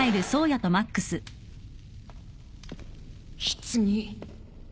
棺。